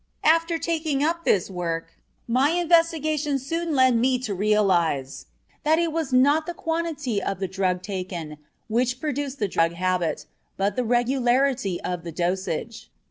After taking up this work, my investigations soon led me to realize that it was not the quantity of the drug taken which produced the drug habit, but the regularity of the dosage.